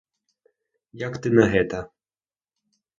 Як ты на гэта?